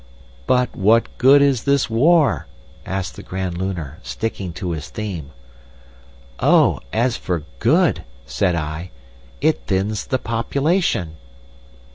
"'But what good is this war?' asked the Grand Lunar, sticking to his theme. "'Oh! as for good!' said I; 'it thins the population!